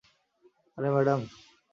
আরে, ম্যাডাম।